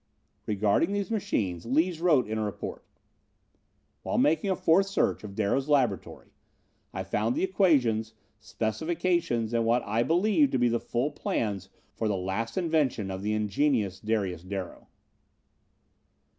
Regarding these machines, Lees wrote in a report: "While making a fourth search of Darrow's laboratory, I found the equations, specifications and what I believe to be the full plans for the last invention of the ingenious Darius Darrow.